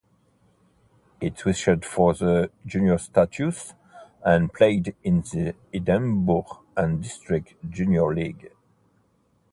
It switched to junior status and played in the Edinburgh and District Junior League.